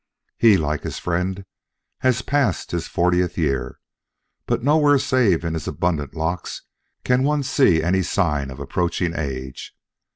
He, like his friend, has passed his fortieth year, but nowhere save in his abundant locks can one see any sign of approaching age.